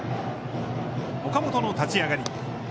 岡本の立ち上がり。